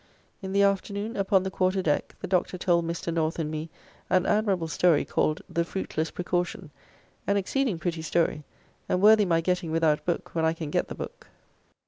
In the afternoon upon the quarterdeck the Doctor told Mr. North and me an admirable story called "The Fruitless Precaution," an exceeding pretty story and worthy my getting without book when I can get the book.